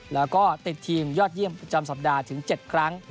แล้วก็ติดทีมยอดเยี่ยมประจำสัปดาห์ถึง๗ครั้ง